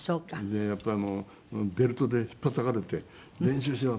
でやっぱりもうベルトで引っぱたかれて「練習しろ」って。